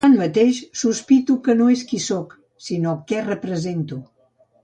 Tanmateix, sospito que no és qui sóc, sinó què represento.